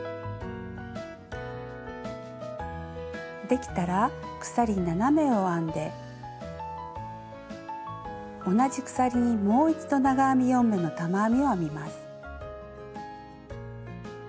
できたら鎖７目を編んで同じ鎖にもう一度長編み４目の玉編みを編みます。